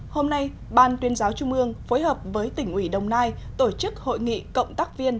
hôm nay ban tuyên giáo trung ương phối hợp với tỉnh ủy đồng nai tổ chức hội nghị cộng tác viên